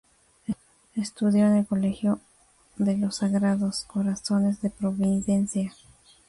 Estudió en el Colegio de los Sagrados Corazones de Providencia.